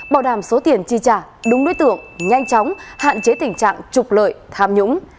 bảo đảm số tiền chi trả đúng đối tượng nhanh chóng hạn chế tình trạng trục lợi tham nhũng